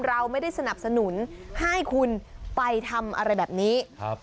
เราไม่ได้สนับสนุนให้คุณไปทำอะไรแบบนี้ครับ